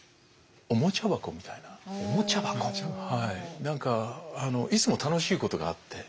何かいつも楽しいことがあって。